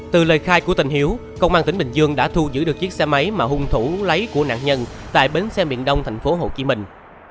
từ lời khai của tên hiếu công an tỉnh bình dương đã thu giữ được chiếc xe máy mà hung thủ lấy của nạn nhân tại bến xe miền đông thành phố hồ chí minh